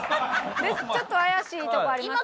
ちょっと怪しいとこありますけど。